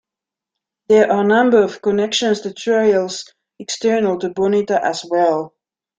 There are a number of connections to trails external to Bonita as well.